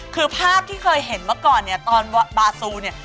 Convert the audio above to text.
คือภาพที่เคยเห็นเมื่อก่อนเนี่ยตอนบาซูเนี่ย